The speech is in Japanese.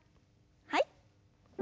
はい。